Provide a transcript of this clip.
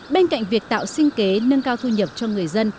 bên cạnh việc tạo sinh kế nâng cao thu nhập cho người dân